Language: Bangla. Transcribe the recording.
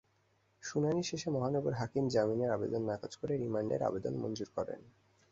শুনানি শেষে মহানগর হাকিম জামিনের আবেদন নাকচ করে রিমান্ডের আবেদন মঞ্জুর করেন।